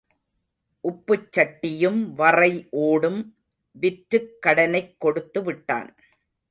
உப்புச் சட்டியும் வறை ஓடும் விற்றுக்கடனைக் கொடுத்து விட்டான்.